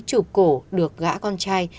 chụp cổ được gã con trai